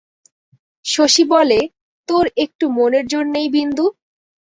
শশী বলে, তোর একটু মনের জোর নেই বিন্দু?